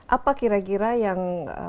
apa kira kira yang